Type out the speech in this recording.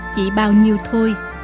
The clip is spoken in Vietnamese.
chỉ bao nhiêu thôi